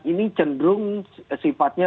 ini cenderung sifatnya